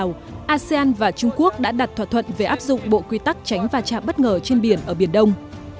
hội nghị cấp cao asean trung quốc đã đặt thỏa thuận về áp dụng bộ quy tắc tránh và trả bất ngờ trên biển ở biển đông